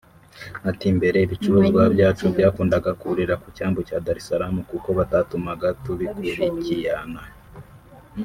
Ati “Mbere ibicuruzwa byacu byakundaga kuburira ku cyambu cya Dar-es-Salaam kuko batatumaga tubikurikiana